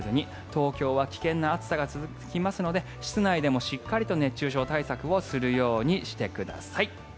東京は危険な暑さが続きますので室内でもしっかり熱中症対策をするようにしてください。